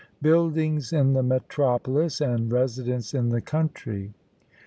BUILDINGS IN THE METROPOLIS, AND RESIDENCE IN THE COUNTRY.